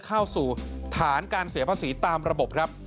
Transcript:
เข้าสู่ฐานการเสียภาษีตามระบบครับ